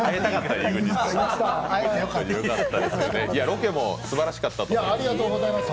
ロケもすばらしかったと思います。